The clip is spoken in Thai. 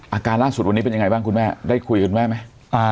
อาการล่าสุดวันนี้เป็นยังไงบ้างคุณแม่ได้คุยกับคุณแม่ไหม